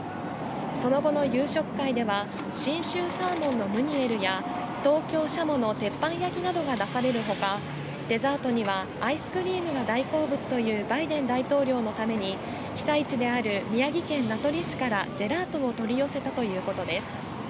その後の夕食会では、信州サーモンのムニエルや、東京シャモの鉄板焼きなどが出されるほか、デザートにはアイスクリームが大好物というバイデン大統領のために、被災地である宮城県名取市からジェラートを取り寄せたということです。